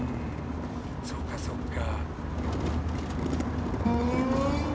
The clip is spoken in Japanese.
そっかそっか。